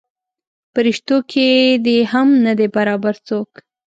پریشتو کې دې هم نه دی برابر څوک.